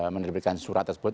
menerbitkan surat tersebut